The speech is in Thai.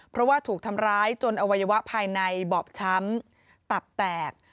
เพราะว่าถูกทำร้ายจนอวัยวะภายในบอบช้ำตับแตก